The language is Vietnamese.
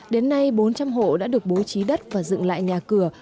đến nay bốn trăm linh hộ đã được bố trí đất và dựng lại nhà cửa